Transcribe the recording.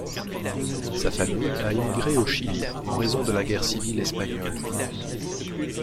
Sa famille a émigré au Chili en raison de la guerre civile espagnole.